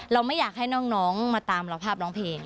เราไม่อยากให้น้องมาตามเราภาพร้องเพลง